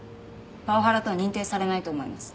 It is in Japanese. パワハラとは認定されないと思います。